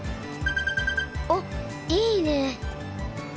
おっいいね。